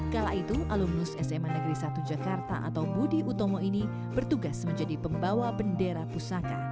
kala itu alumnus sma negeri satu jakarta atau budi utomo ini bertugas menjadi pembawa bendera pusaka